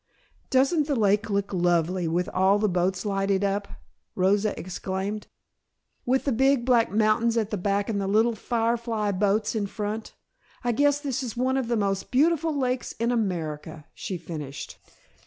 "Doesn't the lake look lovely with all the boats lighted up?" Rosa exclaimed. "With the big black mountains at the back and the little firefly boats in front I guess this is one of the most beautiful lakes in America," she finished.